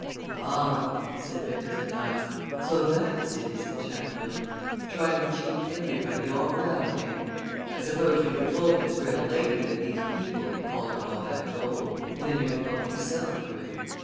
"Ah!" said Vickers at last. "So that's it, is it, Chatfield? Trying to cheat everybody all round, eh? I suppose you'd have told Miss Greyle later that these people had collared all that gold and then you'd have helped yourself to it?